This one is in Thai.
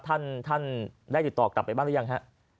ท่านได้ติดต่อกลับไปบ้างหรือยังฮะ